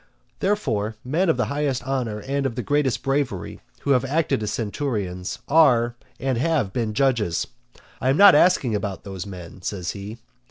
Therefore, men of the highest honour and of the greatest bravery, who have acted as centurions, are and have been judges. I am not asking about those men, says he.